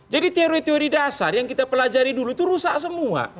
jadi teori teori dasar yang kita pelajari dulu itu rusak semua